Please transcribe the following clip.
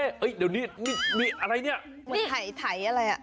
เฮ้ยเดี๋ยวนี้มีอะไรเนี่ยเหมือนไถอะไรอ่ะ